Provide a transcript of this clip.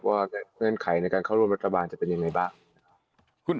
ดูครับว่าเงื่อนไขในการเข้าร่วมรัฐบาลจะเป็นยังไงบ้าง